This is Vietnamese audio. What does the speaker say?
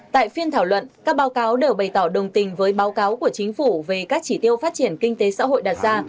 tại phiên thảo luận các báo cáo đều bày tỏ đồng tình với báo cáo của chính phủ về các chỉ tiêu phát triển kinh tế xã hội đặt ra